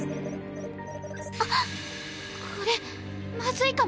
あっこれまずいかも。